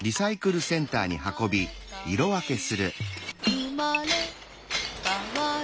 「うまれかわる」